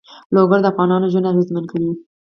لوگر د افغانانو ژوند اغېزمن کوي.